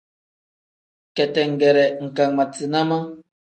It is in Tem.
Ketengere nkangmatina ma.